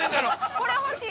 これが欲しい。